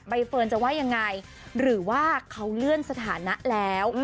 เฟิร์นจะว่ายังไงหรือว่าเขาเลื่อนสถานะแล้ว